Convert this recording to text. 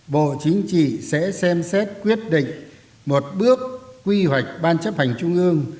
bộ chính trị sẽ xem xét quyết định một bước quy hoạch ban chấp hành trung ương